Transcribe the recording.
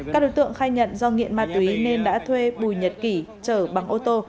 các đối tượng khai nhận do nghiện ma túy nên đã thuê bùi nhật kỷ chở bằng ô tô